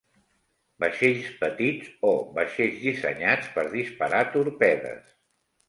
Vaixells petits o vaixells dissenyats per disparar torpedes.